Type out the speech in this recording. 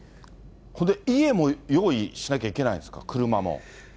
それで家も用意しないといけないんですか、車も。